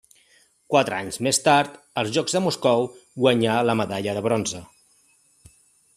Quatre anys més tard, als Jocs de Moscou, guanyà la medalla de bronze.